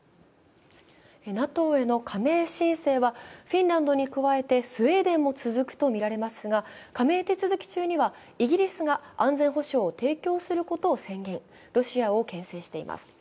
ＮＡＴＯへの加盟申請はフィンランドに加えてスウェーデンも続くとみられますが加盟手続き中にはイギリスが安全保障を提供することを宣言、ロシアをけん制しています。